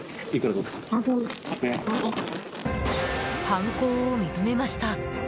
犯行を認めました。